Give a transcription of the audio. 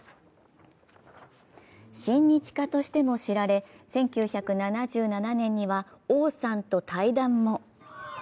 親日家としても知られ、１９７７年には王さんと対談も。